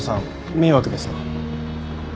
迷惑ですか？